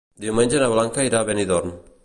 Diumenge na Blanca irà a Benidorm.